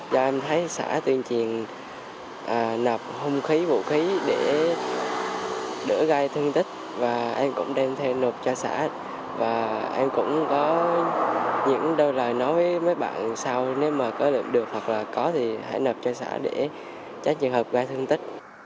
cho em thấy xả tuyên truyền nộp hung khí vũ khí để đỡ gai thương tích và em cũng đem theo nộp cho xả và em cũng có những đôi lời nói với mấy bạn sau nếu mà có được hoặc là có thì hãy nộp cho xả để trách trường hợp gai thương tích